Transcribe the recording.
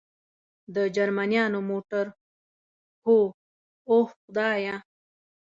د جرمنیانو موټر؟ هو، اوه خدایه.